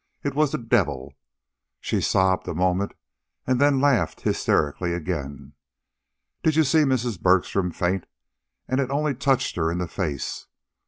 "It was the devil." She sobbed a moment, and then laughed hysterically again. "Did you see Mrs. Bergstrom faint? And it only touched her in the face.